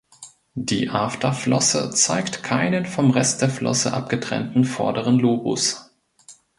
Die Afterflosse zeigt keinen vom Rest der Flosse abgetrennten vorderen Lobus.